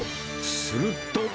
すると。